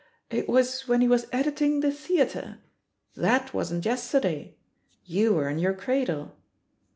It was when he was editing The Theatre. That wasn't yesterday. You were in your cradle.